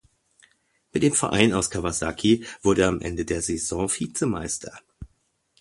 Mit dem Verein aus Kawasaki wurde er am Ende der Saison Vizemeister.